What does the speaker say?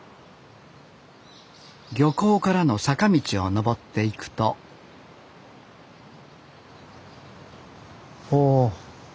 漁港からの坂道を上っていくとほお。